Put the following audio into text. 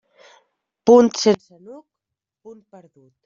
Punt sense nuc, punt perdut.